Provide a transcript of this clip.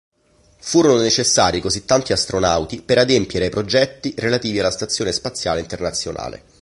Furono necessari così tanti astronauti per adempiere ai progetti relativi alla Stazione Spaziale Internazionale.